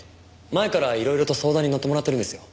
前からいろいろと相談にのってもらってるんですよ